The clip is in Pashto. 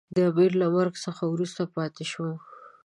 د امیر له مرګ څخه وروسته پاته شو.